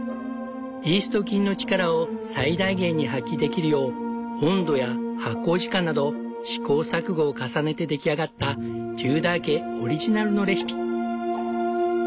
イースト菌の力を最大限に発揮できるよう温度や発酵時間など試行錯誤を重ねて出来上がったテューダー家オリジナルのレシピ。